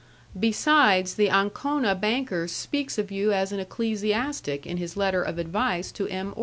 Besides the Ancona banker speaks of you as an ecclesiastic in his letter of advice to M.